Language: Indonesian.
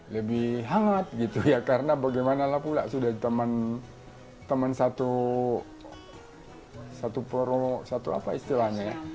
lebih hangat gitu ya karena bagaimanalah pula sudah teman satu promo satu apa istilahnya ya